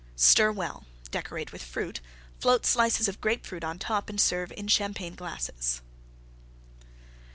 Stir well; decorate with Fruit; float slices of Grape Fruit on top and serve in Champagne glasses.